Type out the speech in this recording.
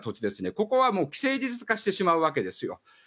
ここは既成事実化してしまうわけです。